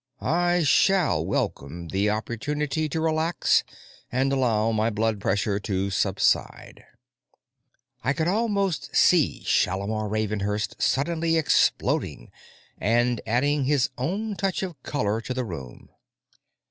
I shall welcome the opportunity to relax and allow my blood pressure to subside." I could almost see Shalimar Ravenhurst suddenly exploding and adding his own touch of color to the room.